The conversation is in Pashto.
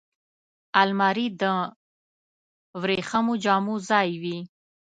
الماري د وریښمو جامو ځای وي